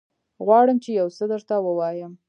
غواړم چې يوڅه درته ووايم.